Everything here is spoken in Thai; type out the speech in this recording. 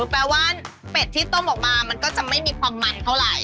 แปลว่าเป็ดที่ต้มออกมามันก็จะไม่มีความมันเท่าไหร่